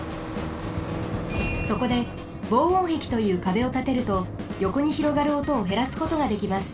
そこで防音壁というかべをたてるとよこにひろがるおとをへらすことができます。